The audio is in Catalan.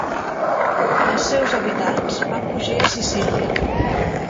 Els seus habitants van fugir a Sicília.